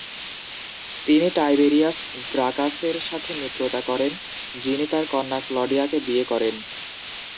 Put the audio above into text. তিনি টাইবেরিয়াস গ্রাকাসের সাথে মিত্রতা করেন যিনি তার কন্যা ক্লডিয়াকে বিয়ে করেন।